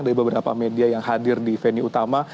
dari beberapa media yang hadir di venue utama